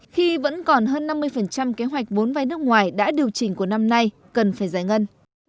khi vẫn còn hơn năm mươi kế hoạch vốn vai nước ngoài đã điều chỉnh của năm nay cần phải giải ngân